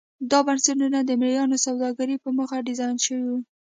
دا بنسټونه د مریانو سوداګرۍ په موخه ډیزاین شوي وو.